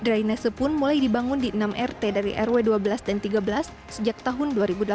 drainase pun mulai dibangun di enam rt dari rw dua belas dan tiga belas sejak tahun dua ribu delapan belas